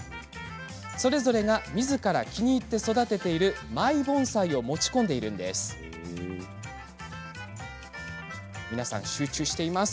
それぞれがみずから気に入って育てているマイ盆栽を持ち込んでいます。